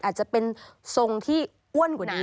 อาจจะเป็นทรงที่อ้วนกว่านี้